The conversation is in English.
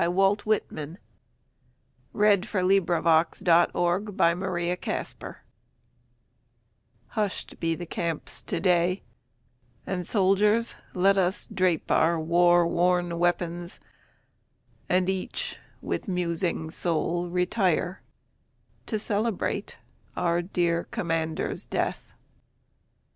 Walt Whitman (1865) Hush'd Be the Camps Today May 4, 1865 HUSH'D be the camps today, And soldiers let us drape our war worn weapons, And each with musing soul retire to celebrate, Our dear commander's death.